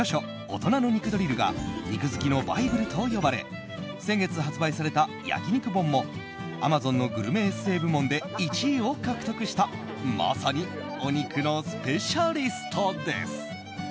「大人の肉ドリル」が肉好きのバイブルと呼ばれ先月発売された焼き肉本もアマゾンのグルメエッセー部門で１位を獲得したまさにお肉のスペシャリストです。